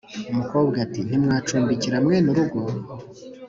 umukobwa ati: "Ntimwancumbikira bene urugo?"